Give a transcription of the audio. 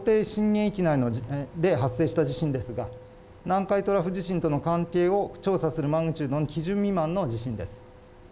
震源域内で発生した地震ですが、南海トラフ地震との関係を調査するマグニチュードの基準未満の地震です。